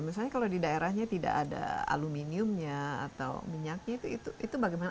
misalnya kalau di daerahnya tidak ada aluminiumnya atau minyaknya itu bagaimana